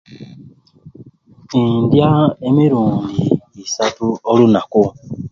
Ndya emirundi isaatu olunaku